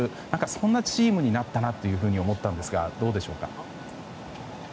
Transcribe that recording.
そんなチームになったなと思ったんですがどうでしょうか。